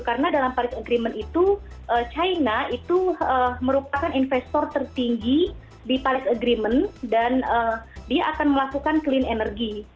karena dalam paris agreement itu china itu merupakan investor tertinggi di paris agreement dan dia akan melakukan clean energy